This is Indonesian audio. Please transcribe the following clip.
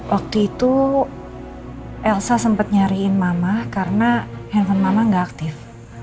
waktu itu elsa sempat nyariin mama karena handphone mama nggak aktif